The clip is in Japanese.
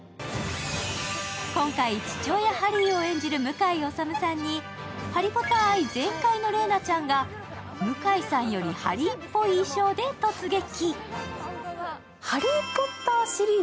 今回、父親・ハリーを演じる向井理さんにハリポタ愛全開の麗菜ちゃんが向井さんよりハリーっぽい衣装で突撃。